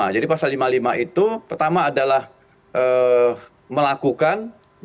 jadi pasal lima puluh lima itu pertama adalah melakukan